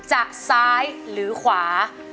จะซ้ายหรือขวา